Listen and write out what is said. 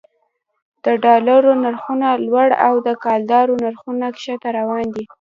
د ډالرو نرخونه لوړ او د کلدارو نرخونه ښکته روان دي